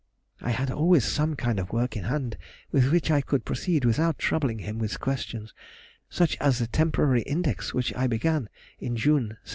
I had always some kind of work in hand with which I could proceed without troubling him with questions; such as the temporary index which I began in June, 1787.